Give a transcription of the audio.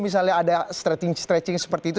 misalnya ada stretching seperti itu